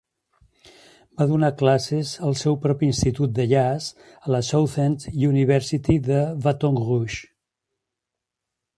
Va donar classes al seu propi institut de jazz a la Southern University de Baton Rouge.